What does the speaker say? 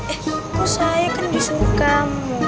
eh aku saya kan disukam